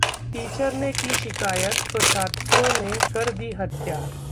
teacher ने की शिकायत तो छात्रों ने कर दी हत्या